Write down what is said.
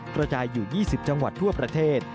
กระจายอยู่๒๐จังหวัดทั่วประเทศ